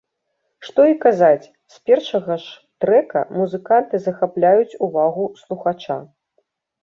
Што і казаць, з першага ж трэка музыканты захапляюць увагу слухача.